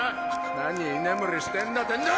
何居眠りしてんだ天道！